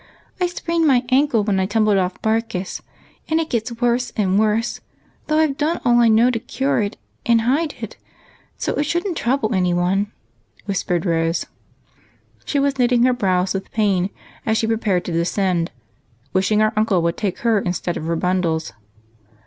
I sj^rained my ankle when I tumbled o££ of Barkis, and it gets worse and worse ; though I 've done all I know to cure it and hide it, so it shouldn't trouble any one," whispered Rose, knitting her brows with pain, as she prepared to descend, wishing her uncle would take her instead of her bundles.